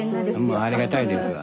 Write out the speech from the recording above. もうありがたいですわ。